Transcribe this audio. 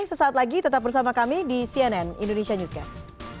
sesaat lagi tetap bersama kami di cnn indonesia newscast